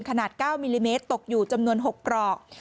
ขนาด๙มิลลิเมตรตกอยู่จำนวน๖ปลอก